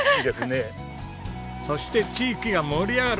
そして地域が盛り上がる！